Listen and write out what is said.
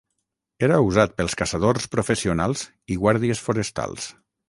Era usat pels caçadors professionals i guàrdies forestals.